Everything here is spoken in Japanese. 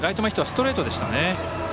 ストレートでしたね。